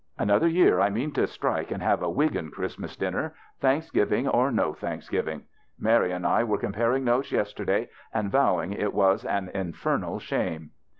Another year I mean to strike and have a Wiggin Christmas dinner, Thanksgiving or no Thanksgiving. Mary and I were comparing notes yesterday, and vowing it was an infernal shame."